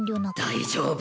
大丈夫。